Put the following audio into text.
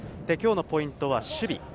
今日のポイントは守備。